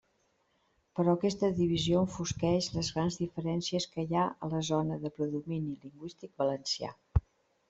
Però aquesta divisió enfosqueix les grans diferències que hi ha a la zona de predomini lingüístic valencià.